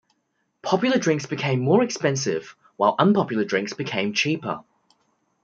Popular drinks become more expensive, while unpopular drinks become cheaper.